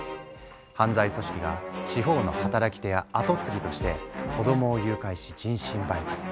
犯罪組織が地方の働き手や後継ぎとして子どもを誘拐し人身売買。